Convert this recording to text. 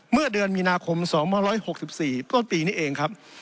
เมื่อเดือนมีนาคม๒๖๔ต้นปีนี้เองครับ